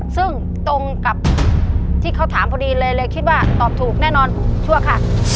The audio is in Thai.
ซึ่งตรงกับที่เขาถามพอดีเลยเลยคิดว่าตอบถูกแน่นอนชั่วค่ะ